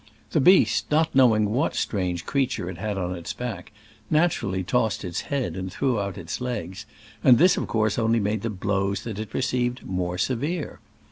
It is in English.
The beast, not knowing what strange crea ture it had on its back, naturally tossed its head and threw out its legs, and this, of course, only made the blows that it received more severe.